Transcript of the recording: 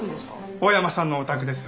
大山さんのお宅です。